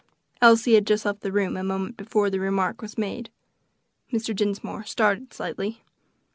Elsie had just left the room a moment before the remark was made. Mr. Dinsmore started slightly.